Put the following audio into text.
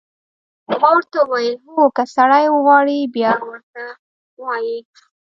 ما ورته وویل: هو، که سړی وغواړي، بیا ورته وایي.